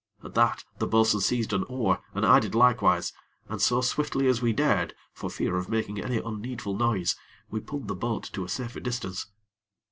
At that, the bo'sun seized an oar, and I did likewise, and, so swiftly as we dared, for fear of making any unneedful noise, we pulled the boat to a safer distance.